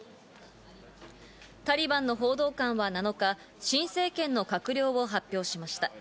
タリバンの報道官は７日、新政権の閣僚を発表しました。